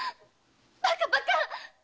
バカバカ‼